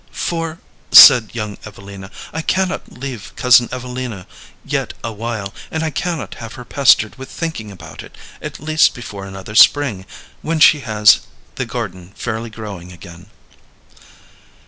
"For," said young Evelina, "I cannot leave Cousin Evelina yet a while, and I cannot have her pestered with thinking about it, at least before another spring, when she has the garden fairly growing again."